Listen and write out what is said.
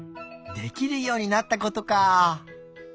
できるようになったことか。